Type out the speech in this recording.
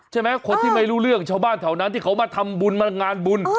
ใช่ไหมคนที่ไม่รู้เรื่องชาวบ้านแถวนั้นที่เขามาทำบุญมางานบุญ